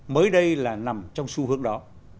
mới đây là nằm trong xu hướng đó